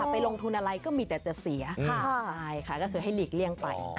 ไปลงทุนอะไรก็มีแต่จะเสียใช่ค่ะก็คือให้หลีกเลี่ยงไป